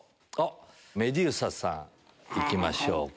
メデューサさん行きましょうか。